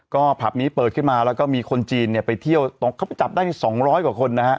ก็ผับนี้เปิดขึ้นมาแล้วก็มีคนจีนเนี่ยไปเที่ยวเขาไปจับได้๒๐๐กว่าคนนะฮะ